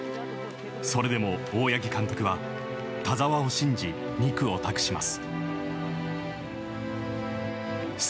それでも大八木監督は田澤を信じ２区を託します。